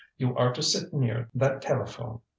You are to sit near that telephone.